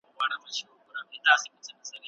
څښتن یې د قفس دروازه ورته پرانیستله